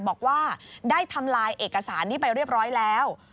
บอกว่าได้ทำลายเอกสารนี้ไปเรียบร้อยแล้ว